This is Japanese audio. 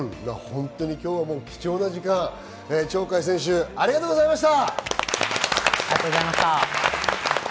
今日は貴重な時間、鳥海選手ありがとうございました。